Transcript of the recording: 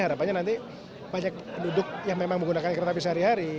harapannya nanti banyak penduduk yang memang menggunakan kereta api sehari hari